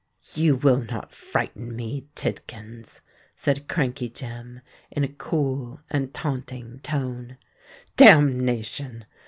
"You will not frighten me, Tidkins," said Crankey Jem, in a cool and taunting tone. "Damnation!"